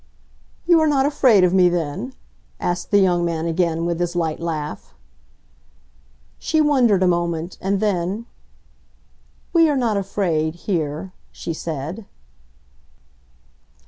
"You are not afraid of me, then?" asked the young man again, with his light laugh. She wondered a moment, and then, "We are not afraid—here," she said.